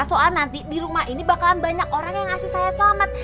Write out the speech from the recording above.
soal nanti di rumah ini bakalan banyak orang yang ngasih saya selamat